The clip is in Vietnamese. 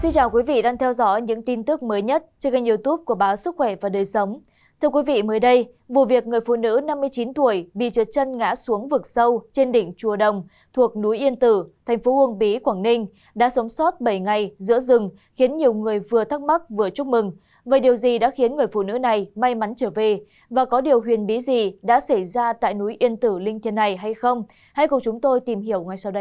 các bạn hãy đăng ký kênh để ủng hộ kênh của chúng mình nhé